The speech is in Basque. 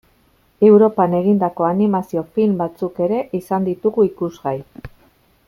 Europan egindako animazio film batzuk ere izan ditugu ikusgai.